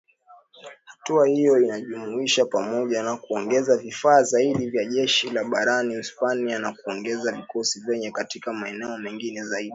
Hatua hiyo inajumuisha pamoja na kuongeza vifaa zaidi vya jeshi la baharini Uhispania, na kuongeza vikosi vyake katika maeneo mengine zaidi